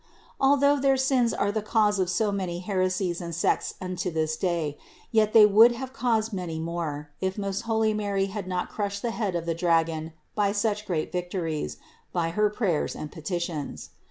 Although their sins are the cause of so many heresies and sects unto this day, yet they would have caused many more, if most holy Mary had not crushed the head of the dragon by such great victories, by her prayers and petitions.